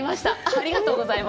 ありがとうございます。